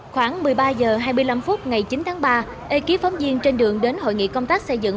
khoảng một mươi ba h hai mươi năm phút ngày chín tháng ba eki phóng viên trên đường đến hội nghị công tác xây dựng